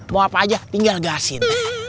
mau apa aja tinggal gasin